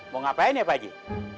mau ngapain ya pak ajie